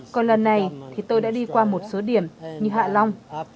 còn lần này thì tôi đã đi qua một số điểm như hạ long